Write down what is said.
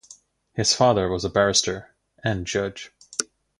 His father was a barrister and judge.